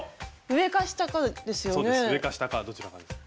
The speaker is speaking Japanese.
上か下かどちらかです。